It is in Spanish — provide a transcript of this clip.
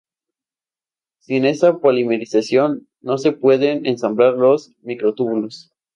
Sin esta polimerización no se pueden ensamblar los microtúbulos.